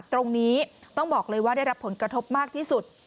ตรงนี้ต้องบอกเลยว่าได้รับผลกระทบมากที่สุด